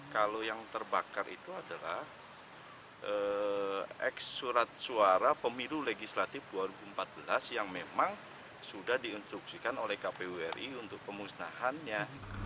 kalau yang terbakar itu adalah eks surat suara pemilu legislatif dua ribu empat belas yang memang sudah diinstruksikan oleh kpu ri untuk pemusnahannya